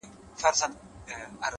هیله د زړونو انرژي ده؛